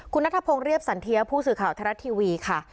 คุณนัทพงศ์เรียบสันเทียผู้สื่อข่าวไทยรัฐทีวีค่ะ